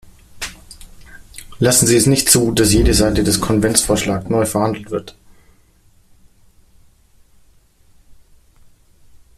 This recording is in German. Lassen Sie es nicht zu, dass jede Seite des Konventsvorschlags neu verhandelt wird!